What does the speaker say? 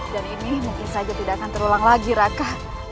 dan ini mungkin saja tidak akan terulang lagi raka